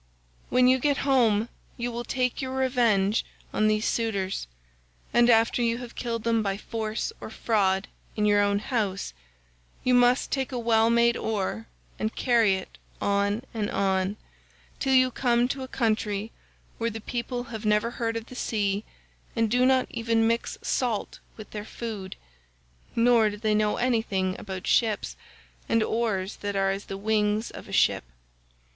"'When you get home you will take your revenge on these suitors; and after you have killed them by force or fraud in your own house, you must take a well made oar and carry it on and on, till you come to a country where the people have never heard of the sea and do not even mix salt with their food, nor do they know anything about ships, and oars that are as the wings of a ship.